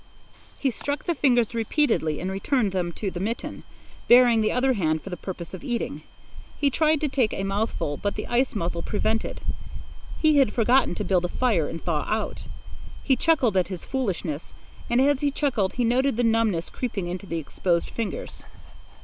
He struck the fingers repeatedly and returned them to the mitten, baring the other hand for the purpose of eating. He tried to take a mouthful, but the ice muzzle prevented. He had forgotten to build a fire and thaw out. He chuckled at his foolishness, and as he chuckled he noted the numbness creeping into the exposed fingers.